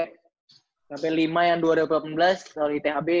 lima yang dua ribu delapan belas kalau di thb